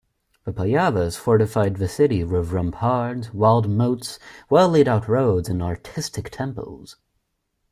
The Pallavas fortified the city with ramparts, wide moats, well-laid-out roads, and artistic temples.